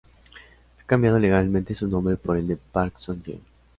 Ha cambiado legalmente su nombre por el de Park So-yeon.